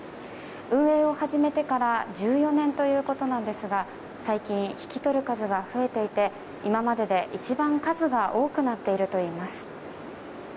運営を始めてから１４年ということなんですが最近、引き取る数が増えていて今までで一番数が多くなっているといいます。